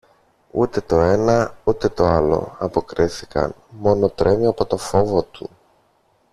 Ούτε το ένα ούτε το άλλο, αποκρίθηκαν, μόνο τρέμει από το φόβο του.